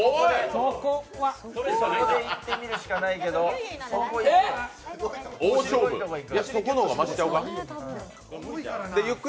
ここでいってみるしかないけどそこいく？